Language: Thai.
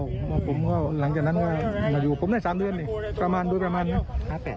ว่าผมก็หลังจากนั้นว่ายุคปุ่มแล้วสามเดือนนึงระมานด้วยปันใหม่